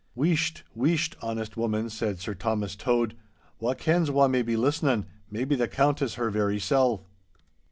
'Wheesht, wheesht, honest woman!' said Sir Thomas Tode, 'wha kens wha may be listenin'—maybe the Countess her very sel'.